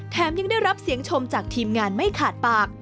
ยังได้รับเสียงชมจากทีมงานไม่ขาดปาก